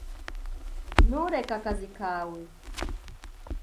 Ntureke akazi kawe.